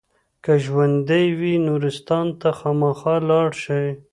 که ژوندي وي نورستان ته خامخا لاړ شئ.